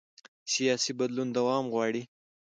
سیاسي بدلون دوام غواړي